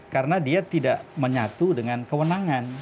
karena dia tidak menyatu dengan kewenangan